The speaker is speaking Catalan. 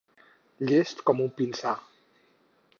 Llest com un pinsà.